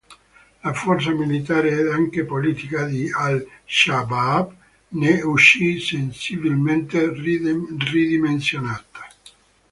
La forza militare ed anche politica di Al-Shabaab ne uscì sensibilmente ridimensionata.